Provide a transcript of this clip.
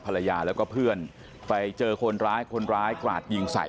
ภรรยาแล้วก็เพื่อนไปเจอคนร้ายคนร้ายกราดยิงใส่